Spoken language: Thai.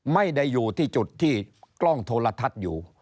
ไม่ได้อยู่ที่จุดที่กล้องโทรทัศน์อยู่